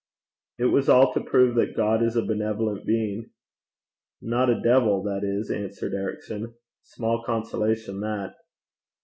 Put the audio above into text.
'It was all to prove that God is a benevolent being.' 'Not a devil, that is,' answered Ericson. 'Small consolation that.'